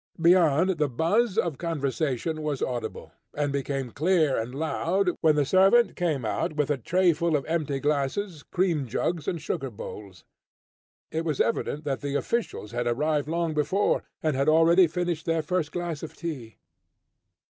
Beyond, the buzz of conversation was audible, and became clear and loud, when the servant came out with a trayful of empty glasses, cream jugs and sugar bowls. It was evident that the officials had arrived long before, and had already finished their first glass of tea.